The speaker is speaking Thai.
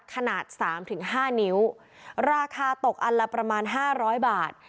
ขนาด๓๕นิ้วราคาตกอันละประมาณ๕๐๐บาท